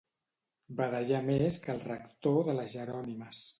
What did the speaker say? Badallar més que el rector de les Jerònimes.